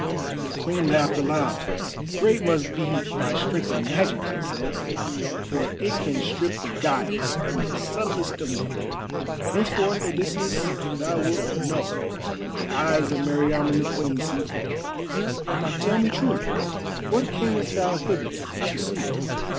The Queen laughed aloud. "Great must be my strength of magic," she said, "for it can strip the guile from the subtlest of men. Henceforth, Odysseus, thou wilt know that the eyes of Meriamun the Queen see far. Now tell me truly: what camest thou hither to seek?"